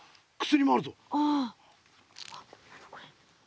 薬もあるぞ。